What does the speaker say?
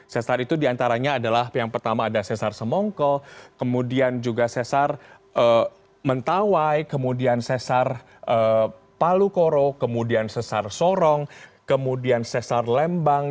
sesar itu diantaranya adalah yang pertama ada sesar semongko kemudian juga sesar mentawai kemudian sesar palu koro kemudian sesar sorong kemudian sesar lembang